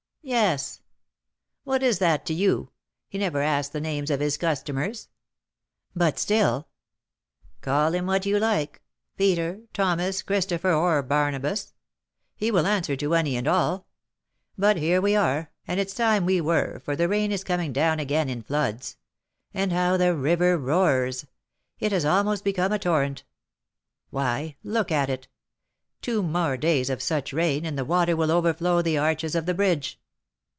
"Yes." "What is that to you? He never asks the names of his customers." "But, still " "Call him what you like, Peter, Thomas, Christopher, or Barnabas, he will answer to any and all. But here we are, and it's time we were, for the rain is coming down again in floods; and how the river roars! It has almost become a torrent! Why, look at it! Two more days of such rain, and the water will overflow the arches of the bridge."